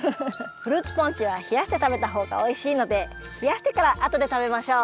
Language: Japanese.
フルーツポンチはひやしてたべたほうがおいしいのでひやしてからあとでたべましょう！